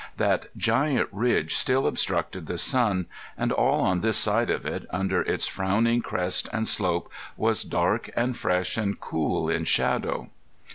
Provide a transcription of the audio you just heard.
That giant ridge still obstructed the sun, and all on this side of it, under its frowning crest and slope was dark and fresh and cool in shadow.